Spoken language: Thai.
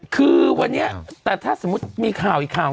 คือวันนี้แต่ถ้าสมมุติมีข่าวอีกข่าว